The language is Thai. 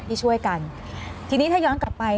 ที่ช่วยกันทีนี้ถ้าย้อนกลับไป